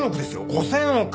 ５０００億！